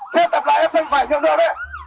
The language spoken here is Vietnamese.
xe tập lại sang phải nhường đường